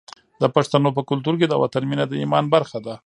د پښتنو په کلتور کې د وطن مینه د ایمان برخه ده.